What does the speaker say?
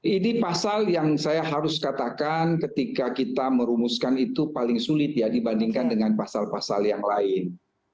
ini pasal yang saya harus katakan ketika kita merumuskan itu paling sulit ya dibandingkan dengan pasal pasal yang lain